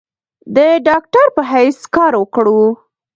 د ډاکټر پۀ حېث کار اوکړو ۔